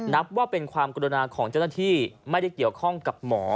นับว่าเป็นความกรุณาของเจ้าหน้าที่ไม่ได้เกี่ยวข้องกับหมอ